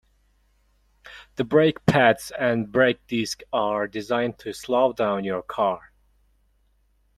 The brake pads and brake disc are designed to slow down your car.